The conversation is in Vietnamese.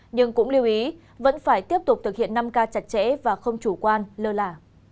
nhưng cũng lưu ý vẫn phải tiếp tục thực hiện năm k chặt chẽ và không chủ quan lơ lả